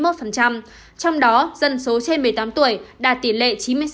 trong đó dân số trên một mươi tám tuổi đạt tỷ lệ chín mươi sáu một mươi ba